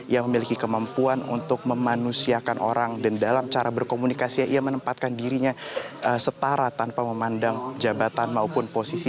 yang memiliki kemampuan untuk memanusiakan orang dan dalam cara berkomunikasi ia menempatkan dirinya setara tanpa memandang jabatan maupun posisi